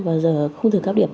và giờ không được cao điểm